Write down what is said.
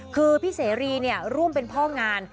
คือพี่เสรีร่วมเป็นพ่องาน